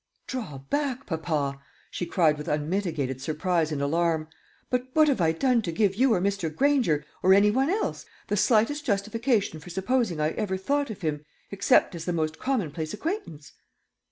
"Draw back, papa!" she cried with unmitigated surprise and alarm; "but what have I done to give you or Mr. Granger, or any one else, the slightest justification for supposing I ever thought of him, except as the most commonplace acquaintance?"